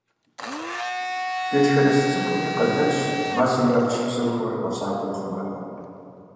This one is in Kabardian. Дэтхэнэ зы цӀыхуми и къалэнщ мэзымрэ абы щыпсэухэмрэ хуэсакъыу ихъумэну.